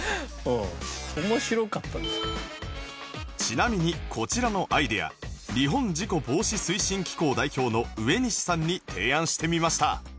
ちなみにこちらのアイデア日本事故防止推進機構代表の上西さんに提案してみました